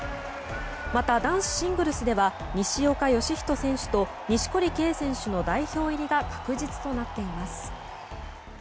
また、男子シングルスでは西岡良仁選手と錦織圭選手の代表入りが確実となっています。